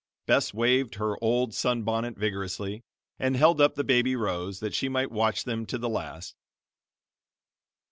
Bess waved her old sun bonnet vigorously, and held up the baby Rose, that she might watch them to the last.